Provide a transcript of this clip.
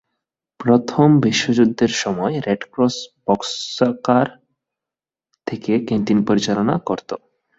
প্রথম বিশ্বযুদ্ধের সময় রেড ক্রস বক্সকার থেকে ক্যান্টিন পরিচালনা করত।